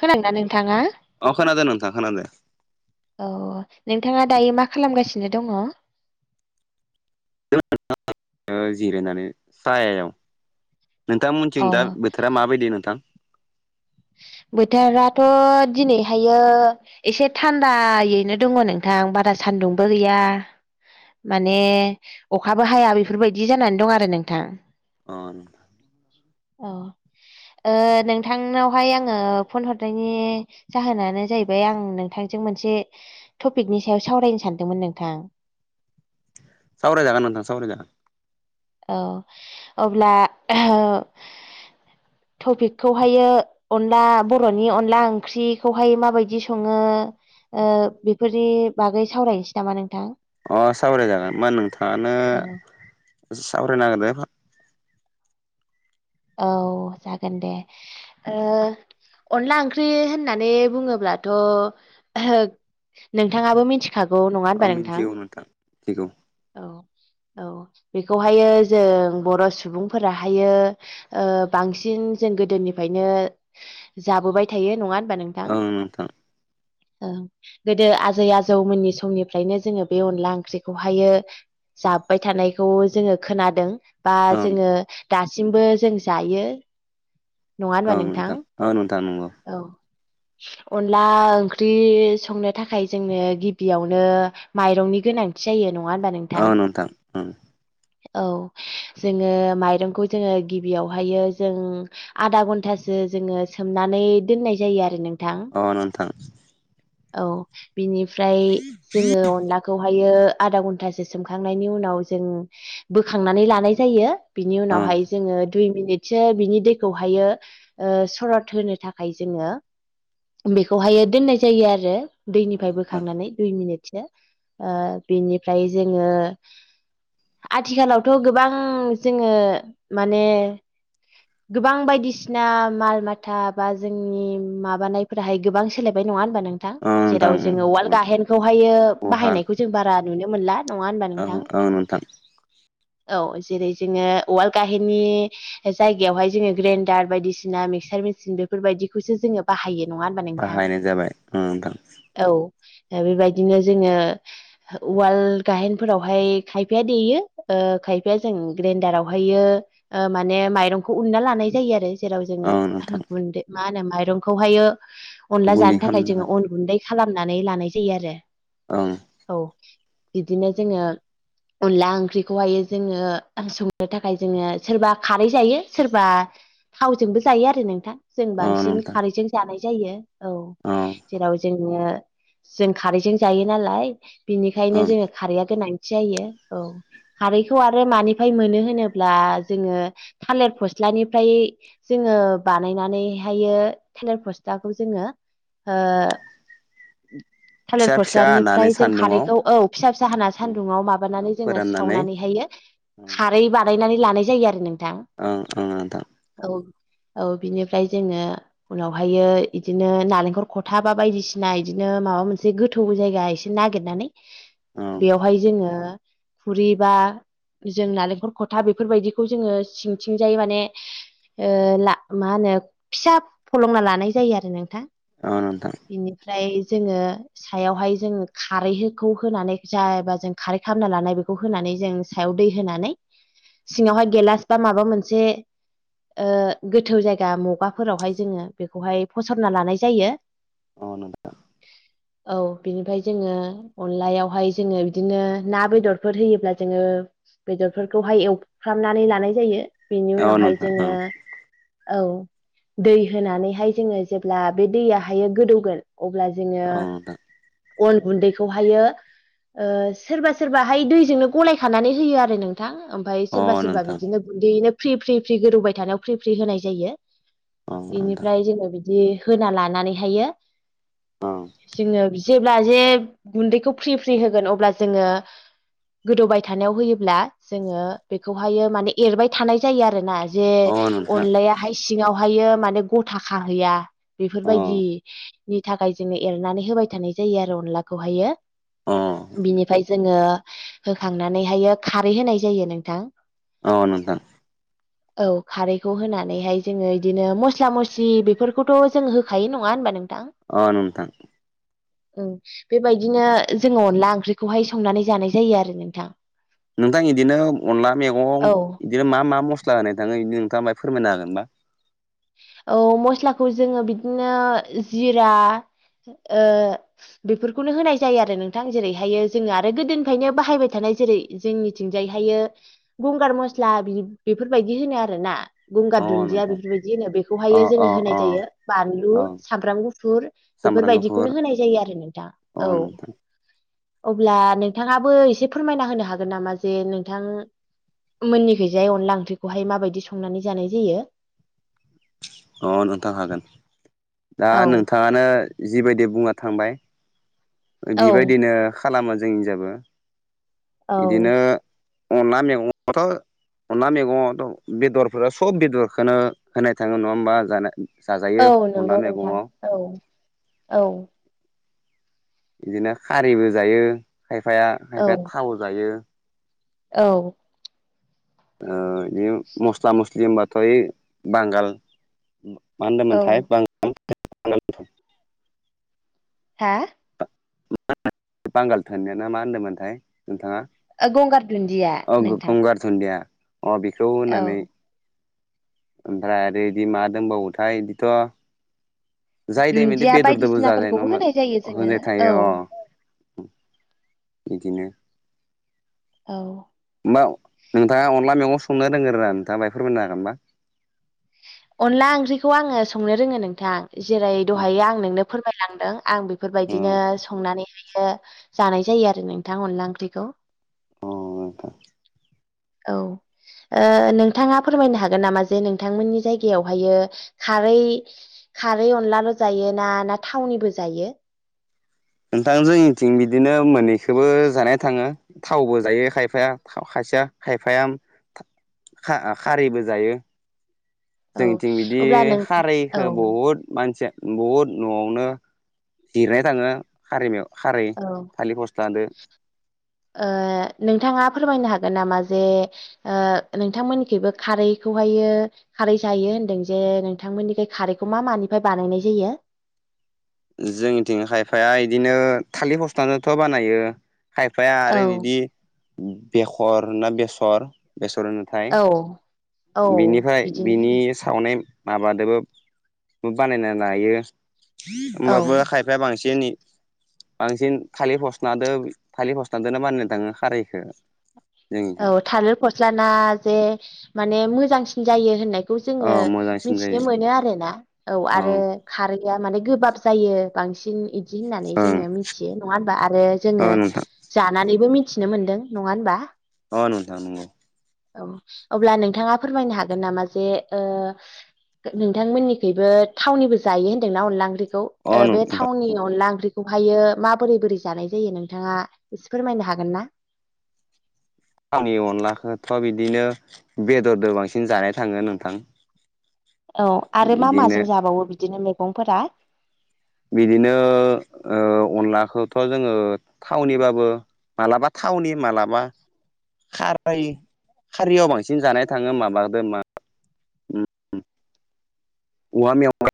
खोनादों नोंथाङा अखान द नथांखान दे औ नोंथाङा दायो मा खालामगासिनो दङ जिरायनानै सायाव नोंथांमोनथिं दा बोथोरा माबायदि नोंथां बोथोराथ' दिनैहायो एसे थान्दायैनो दङ नोंथां बारा सान्दुंबो गैया माने अखाबो हाया बेफोरबायदि जानानै दं आरो नोंथां उन औ नोंथांनाव बेहाय आङो फन हरनायनि जाहोनानो जाहैबाय आं नोंथांजों मोनसे टपिकनि सायाव सावरायनो सानदोंमोन नोंथां सावराय जागोन नोंथां सावराय जागोन औ अब्ला टपिकखौहायो अनला बर'नि अनला ओंख्रिखौहाय माबायदि सङो बेफोरनि बागै सावरायनोसै नामा नोंथां अ साबराय जागोन मा नोंथाङानो औ साबराय नागिरद औ जागोन दे अनला ओंख्रि होननानै बुङोब्लाथ' नोंथाङाबो मिथिखागौ नङा अ होनबा नोंथां मिथिगौ मिथिगौ औ औ बेखौहायो जों बर' सुबुंफोराहायो बांसिन जों गोदोनिफ्रायनो जाबोबाय थायो नङा होनोमबा नों औओं नोंथां औ गोदो आजै आजौमोननि समनिफ्रायनो जोङो बे अनला ओंख्रिखौहायो जाब्बाय थानायखौ जोङो खोनादों बा ओं जोङो दासिमबो जों जायो नङा होनबा ओं नोंथां औ नोंथां नंगौ औ अनला ओंख्रि संनो थाखाय जोंनो गिबियावनो माइरंनि गोनांथि जायो नङा हबा नोंथां औ ओं औ जोङो माइरंखौ जोङो बेयावहायो जों आधा घन्टासो जोङो सोमनानै दोननाय जायो आरो नों अ नोंथां औ बिनिफ्राय जोङो अनलाखौ बेहायो आधा घन्टासो सोमखांनायनि उनाव जों बोखांनानै लानाय जायो बिनि ओं औ नोंथां उनावहाय जोङो दुइ मिनिटसो बिनि दैखौहायो सरत होनो थाखाय जोङो बेखौहायो दोननाय जायो आरो दैनिफ्राय बोखांनानै दुइ मिनिटसो बिनिफ्राय जोङो आथिखालावथ' गोबां जोङो माने गोबां बायदिसिना माल माथा बा जोंनि माबानायफोराहाय गोबां सोलायबाय नङा होनोमबा नोंथ ां ओं नोंथां जेराव जोङो वाल् नंगौ। गाहेनखौहायो उहाल बाहायनायखौ जों बारा नुनो मोनला न' वान ओं बानिथा ओं नोंथां औ जेरै जोङो उवाल गाहेननि जायगायावहाय जोङो ग्रेन्डार बायदिसिना मिक्सार मेसिन बेफोरबायदिखौसो जोङो बाहायो नङा होनबा नोंथां बाहायनाय जाबाय ओं नोंथां औ बेबायदिनो जोङो उवाल गाहेनफोरावहाय खायफाया देयो खायफाया जों ग्रेडारवहायो माने म मायरंखौ उना लानाय जायो। आरो जेराव जोङो ओं नोंथां गुनदै मा होनो माइरंखौहायो अनला गुन्दै जानो थाखाय खालामनो जोङो अन गुन्दै खालामनानै लानाय जायो आरो ओं औ बिदिनो जोङो अनला ओंख्रिखौहाय जोङो संनो थाखाय जोङो सोरबा खारै जायो। सोरबा थावजोंबो जायो आरो नोंथां जों ओं बांसिन नोंथां खारैजों जानाय जायो। औ ओं जेराव जोंझे जों खारैजों जायो नालाय बिनिखायनो ओं जोङो खारैया गोनांथि जायो। औ खारैखौ आरो मानिफ्राय मोनो होनोब्ला जोङो थालिर फस्लानिफ्राय जोङो बानायनानैहायो थालिर फस्लाखौ जोङो ओ थालिर फिसा फिसा हानानै फस्लानिफ्राय जों सान्दुङाव खारैखौ औ फिसा फिसा हा सान्दुंङाव माबानानै जोङो सावनानैहायो औ खारै बानायनानै लानाय जायो आरो नोंथां। ओं ओं नोंथां औ औ बिनिफ्राय जोङो उनावहायो बिदिनो नालेंखल खथा बा बायदिसिना बिदिनो माबा मोनसे गोथ गो थौ जायगा एसे नागिरनानै ओं बेवहाय जोङो खुरि बा जों नालेंखल खथा बेफोरबायदिखौ जोङो सिंथिंजाय माने मा होनो फिसा फलंना लानाय जायो आरो नोंथां आं नं थां बिनिफ्राय जोङो सायावहाय जों खारैखौ होनानै जायबा जों खारै खालामना लानाय बेखौ होनानै जों सायाव दै होनानै सिङावहाय गेलास बा माबा मोनसे गोथौ जायगा मुगाफोरावहाय जोङो बेखौहाय फसरना लानाय जायो। आ नोंथां औ बिनिफ्राय जोङो अनलायावहाय जोङो बिदिनो ना बेदरफोर होयोब्ला जोङो बेदरफोरखौहाय एवफ्रामनानै लानाय जायो बेनि औ उनावहाय नोंथां जोङो औ औ दै होनानैहाय जोङो जेब्ला बे दैयहाय गोदौगोन अब्ला जोङो औ नोंथां अन गुन्दैखौहायो सोरबा सोरबाहाय दैजोंनो गलाय खानानै होयो आरो नों थां ओमफ्राय अ सोरबा सोरबा नोंथां अ नोंथां बिदिनो गुन्दैयैनो फ्रि फ्रि फ्रि गोदौबाय थानायाव फ्रि फ्रि होनाय जायो अ बिनिफ्राय जोङो बिदि होना लानानैहायो औ जोङो जेब्ला जे गुन्दैखौ फ्रि फ्रि होगोन अब्ला जोङो गोदौबाय थानायाव होयोब्ला जोङो बेखौहायो माने एरबाय थानाय जायो आरो ना जे अ नोंथां अनलाया हाय सिङावहायो माने गथा खाहैया अ बेफोरबायदि नि थाखाय जोङो एरनानै होबाय थानाय जायो आरो अनलाखौहायो। अ बिनिफ्राय जोङो होखांनानैहाय खारै होनाय जायो नोंथां औ नोंथां औ खारैखौ होनानैहाय जोङो बिदिनो मस्ला मस्लि बेफोरखौथ' जों होखायो नङा होनबा नोंथां अ नोंथां औ बेबायदिनो जोङो अनला ओंख्रिखौहाय संनानै जानाय जायो आरो नोंथां नोंथां बिदिनो अनला मैगं औ बेयो मा मा मस्ला होनाय थाङो बि नोंथाङाय फोरमायनो हागोनबा। औ मस्लाखौ जोङो बिदिनो जिरा ओ बेफोरखौनो होनाय जायो आरो नोंथां जेरैहायो जोङो आरो गोदोनिफ्रायनो बाहायबाय थानाय जेरै जोंनिथिंजाय हायो गंगार मस्ला बेफोरबायदि होनो आरोना। गंगार अ दुन्दिया नोंथां बेफोरबायदि होनो अ बेखौहायो अ जोङो होनाय अ जायो बानलु अ सामब्राम गुफुर। सामब्राम गुफुर बेफोरबायदिखौनो होनाय जायो आरो नोंथा। अ नंथ अब्ला नोंथाङाबो एसे फोरमायना होनो हागोन नामा जे नोंथां मोनैखैजाय अनला ओंख्रिखौहाय माबायदि संनानै जानाय जायो। अ नोंथां हागोन दा औ नोंथाङानो जिबायदि बुंना थांबाय औ बिबायदिनो खालामो जों हिनजाबो औ इदिनो अनला मैगंखथ' अनला मैगंआवथ' बेदरफोरा सब बेदरखोनो होनाय थाङो नङा होमबा ज औ जाजायो नंगौ अनला नोंथां मैगंआव। औ औ बिदिनो खारैबो जायो खायफाया औ खायफाया थाव जायो। औ ओ‌ बि मस्ला मस्लि होनबाथाय बांगाल मा होनदों औ मोनथाय बां हा बांगाल थोननाय ना मा होन्दोंमोनथाय नोंथाङा ओ गंगार दुन्दिया नोंथां। दुन्दिया अ बेखौ औ होनानै ओमफ्राय आरो बिदि मा दंबावोथाय बिदिथ' जाय दाय मदि दुन्दिया बेदरजोंबो जाजायो बायदिसिनाफोरखौबो नङाम होनाय जायो जोङो होनजाय औ थायो अ बिदिनो औ होमबा नोंथाङा अनला मैगं संनो रोंगोना नोंथाङा माहाय फोरमायनो हागोनना। अनला ओंख्रिखौ आङो संनो रोङो नोंथां जेरै औ दहाय आं नोंनो फोरमायलांदों आं बे औ बेफोरबायदिनो संनानैहायो जानाय जायो आरो नोंथां अनला ओंख्रिखौ। औ औ ओ नोंथाङा फोरमायनो हागोन नामा जे नोंथांमोननि जायगायावहायो खारै खारै अनलाल' जायो ना ना थावनिबो जायो। नोंथां जोंनिथिं बिदिनो मोननैखोबो जानाय थाङो। थावबो जायो खायफाया खायसेया खायफाया खारिबो जायो। औ जोंनिथिं बिदि अब्ला नों औ खारैखो बहुद मानसिया। बहुद न'आवनो जिरनाय थाङो। खारैयाव खारै औ थालिर फस्लादो। ओ नोंथाङा फोरमायनो हागोन नामा जे ओ नोंथांमोननिखैबो खारैखौहायो खारै जायो होन्दों जे नोंथांमोननिखै खारैखौ मा मानिफ्राय बानायनाय जायो। जोंनिथिं खायफाया इदिनो थालिर फस्लाजोंथ' बानायो। खायफाया औ आरो बिदि बेखर ना बेसर बेसर होन नाय औ औ बिनिफ्राय बिदिनो बिनि होनो सावनाय माबादोबो न बानायना लायो। औ होमबाबो खायफाया बांसिन बांसिन थालिर फस्लादो थालिर फस्लादोनो बानिनो थाङो खारैखौ। औ थालिर फस्लाना जे माने मोजांसिन जायो होननाय बेखौ अ जोङो मोजांसिन मिथिनो जायो मोनो आरोना। औ आरो ओं खारैआ माने गोबाब जायो बांसिनदि होननानै ओं जोङो मिथियो नङा होनबा आरो अ जोङो नोंथां जानानैबो मिथिनो मोनदों नङा होनबा अ नस आ नंगौ औ अब्ला नोंथाङा फोरमायनो हागोन नामा जे नोंथांमोननिखबो थावनिबो जायो होन्दोंना अनला ओंख्रिखौ अ बे नोंथां थावननि अनला ओंख्रिखौ बेखौहायो माबोरै बोरै जानाय जायो नोंथाङा एसे फोरमायनो हागोन ना? आंनि अनलाखौथ' बिदिनो बेदरजों बांसिन जानाय थाङो नोंथां। औ आरो मा बिदिनो माजों जाबावो बिदिनो मैगंफोरा? बिदिनो अनलाखौथ' जोङो थावनिबाबो मालाबा थावनि मालाबा खारफाय खारियाव बांसिन जानाय थाङो माबादों मा औवा मेवाइ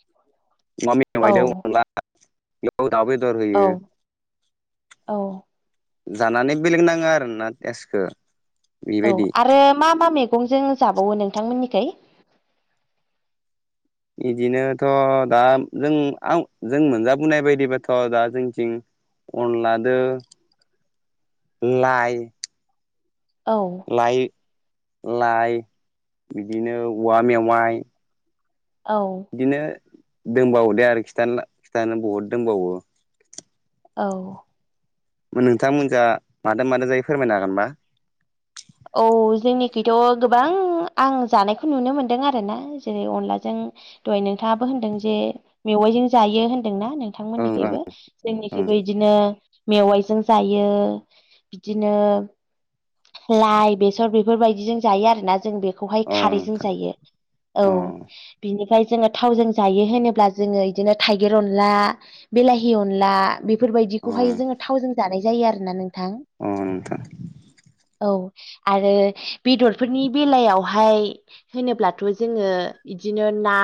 [inaudible] औवा मेवाइदों औ अनला बेयाव दाउ बेदर होयो औ औ जानानै बेलेग नाङा आरोना टेसखौ औ आरो मा मा मैगंजों जाबावो नोंथांमोननिखाय? बिदिनोथ' दा जों आं जों मोनजाबोनाय बायदिबाथ' दा जोंथिं अनलादो लाइ औ लाइ लाइ बिदिनो औवा मेवाइ औ बिदिनो दंबावो दे आरो खिथानो खिथानो बहुद दंबावो। औ नोंथांमोनजा मादों मादों जायो फोरमायनो हागोनबा? औ जोंनिखैथ' गोबां आं जानायखौ नुनो मोनदों आरोना जेरै अनलाजों दहाय नोंथाङाबो होनदों जे मेवाइजों जायो होनदोंना नों ओं थांमोननिखैबो जोंनिखैबो बिदिनो मेवाइजों जायो बिदिनो लाइ बेसर बेफोरबायदिजों जायो आरो ना जों बेखौहाय ओं ओं अ खारैजों नोंथां जायो औ अ बिनिफ्राय जोङो थावजों जायो होनोब्ला जोङो बिदिनो थाइगिर अनला बेलाहि अनला अ बेफोरबायदिखौहाय जोङो थावजों जानाय जायो आरोना नोंथां। औ नोंथां‌। औ आरो बेदरफोरनि बेलायावहाय होनोब्लाथ' जोङो बिदिनो ना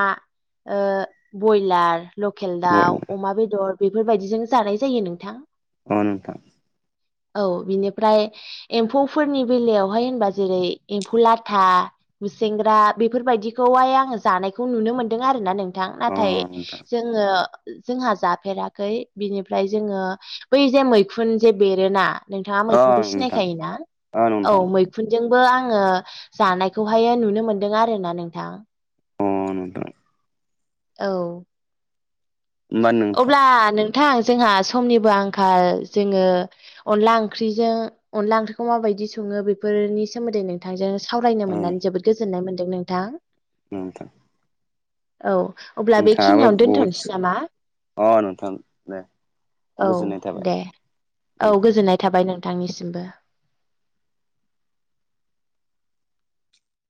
बयलार लकेल अ दाउ अमा बेदर बेफोरबायदिजों जानाय जायो नोंथां औ नोंथां। औ बिनिफ्राय एम्फौफोरनि बेलायावहाय होनबा जेरै एम्फौ लाथा मुसेेंग्रा बेफोरबायदिखौहाय आङो जानायखौ नुनो मोनदों आरो ना नोंथां अ नाथाय नोंथां जों जोङो जोंहा जाफेराखै बिनिफ्राय जोङो बै जे मैखुन जे बेरोना नोंथाङा अ मैखुनखौ नोंथां सिनायखायोना अ औ नोंथां मैखुन खुनजोंबो आङो जानायखौहाय नुनो मोनदों आरोना नोंथां। अ नोंथां। औ होमबा नोंथां अब्ला नोंथां जोंहा समनिबो आंखाल जोङो अनला ओंख्रिजों अनला ओंख्रिखौ माबायदि सङो बेफोरनि सोमोन्दै नोंथांजों सावरायनो ओं मोननानै जोबोद गोजोननाय मोनदों नोंथां। औ नोंथां। औ अब्ला नोंथाङाबो बेखिनियावनो बहुद दोन्थ'नोसै नामा अ नुथां दे औ गोजोननाय थाबाय दे औ उम गोजोननाय थाबाय नोंथांनिसिमबो